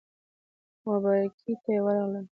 مبارکۍ ته یې ورغلم.